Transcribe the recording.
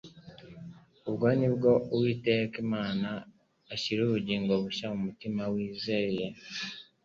Ubwo nibwo Umwuka w'Imana ashyira ubugingo bushya mu mutima wizeye.